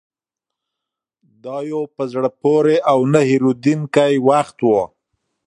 دا یو په زړه پورې او نه هېرېدونکی وخت و.